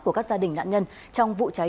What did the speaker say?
của các gia đình nạn nhân trong vụ cháy